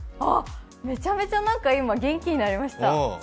めちゃめちゃ今、元気になりました。